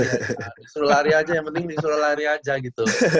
dia suruh lari aja yang penting dia suruh lari aja gitu